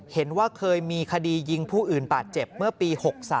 เห็นว่าเคยมีคดียิงผู้อื่นบาดเจ็บเมื่อปี๖๓